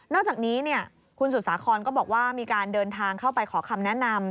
อกจากนี้คุณสุสาครก็บอกว่ามีการเดินทางเข้าไปขอคำแนะนำ